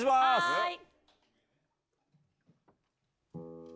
はい。